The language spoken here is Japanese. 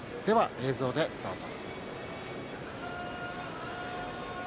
映像でどうぞ。